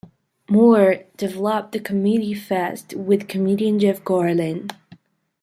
Moore developed the comedy fest with comedian Jeff Garlin.